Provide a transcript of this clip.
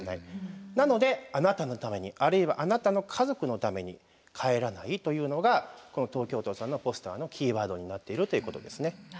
なのであなたのためにあるいはあなたの家族のために帰らないというのがこの東京都さんのポスターのキーワードになっているということですね。